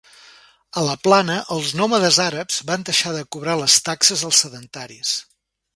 A la plana els nòmades àrabs van deixar de cobrar les taxes als sedentaris.